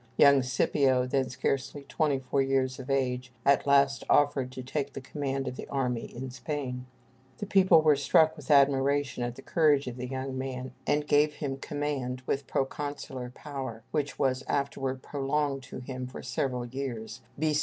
Young Scipio, then scarcely twenty four years of age, at last offered to take the command of the army in Spain. The people were struck with admiration at the courage of the young man, and gave him command, with proconsular power, which was afterward prolonged to him for several years (B.